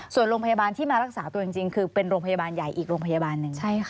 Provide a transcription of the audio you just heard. ส่วนโรงพยาบาลที่มารักษาตัวจริงคือเป็นโรงพยาบาลใหญ่อีกโรงพยาบาลหนึ่ง